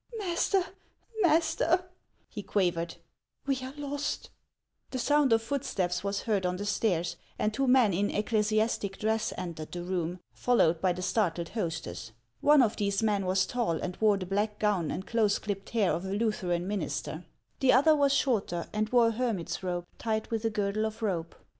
Master, master," he quavered, " we are lost !" The sound of footsteps was heard on the stairs, and two men in ecclesiastic dress entered the room, followed by the startled hostess. One of these men was tall, and wore the black gown and close clipped hair of a Lutheran minister ; the other was shorter, and wore a hermit's robe tied with a girdle of rope.